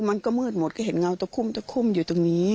มันก็มืดหมดก็เห็นเงาตะคุ่มตะคุ่มอยู่ตรงนี้